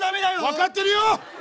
分かってるよ！